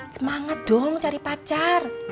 semangat dong cari pacar